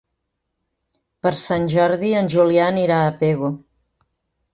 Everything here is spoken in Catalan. Per Sant Jordi en Julià anirà a Pego.